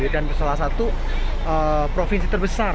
dan salah satu provinsi terbesar